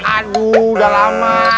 aduh udah lama